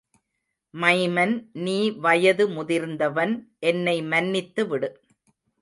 Maiman, நீ வயது முதிர்ந்தவன், என்னை மன்னித்து விடு.